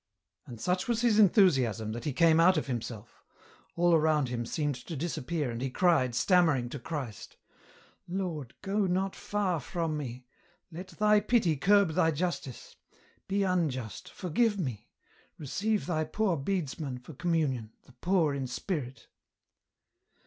" And such was his enthusiasm that he came out of himself ; all around him seemed to disappear and he cried, stammering, to Christ :" Lord, go not far from me. Let Thy pity curb Thy justice ; be unjust, forgive me ; receive Thy poor bedesman for communion, the poor in spirit